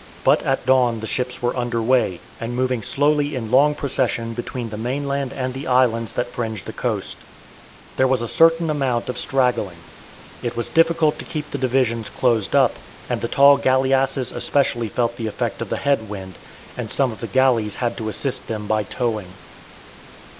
But at dawn the ships were under way, and moving slowly in long procession between the mainland and the islands that fringe the coast. There was a certain amount of straggling. It was difficult to keep the divisions closed up, and the tall galleasses especially felt the effect of the head wind, and some of the galleys had to assist them by towing.